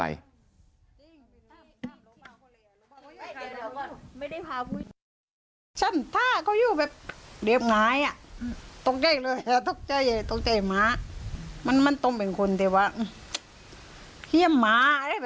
แล้วก็ยัดลงถังสีฟ้าขนาด๒๐๐ลิตร